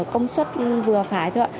công suất vừa phải thôi ạ